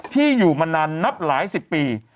ที่อยู่มานานนับหลายสิบปี